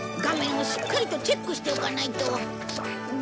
画面をしっかりとチェックしておかないと。